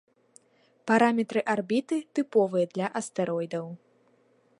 Параметры арбіты тыповыя для астэроідаў.